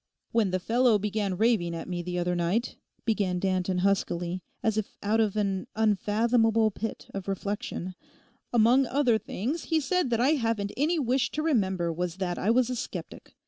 'When the fellow began raving at me the other night,' began Danton huskily, as if out of an unfathomable pit of reflection, 'among other things he said that I haven't any wish to remember was that I was a sceptic.